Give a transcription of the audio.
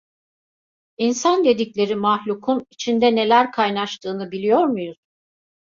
İnsan dedikleri mahlukun, içinde neler kaynaştığını biliyor muyuz?